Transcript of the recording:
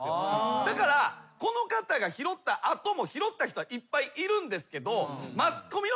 だからこの方が拾った後も拾った人はいっぱいいるんですけど。